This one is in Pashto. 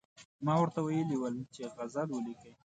ما ورته ویلي ول چې غزل ولیکئ.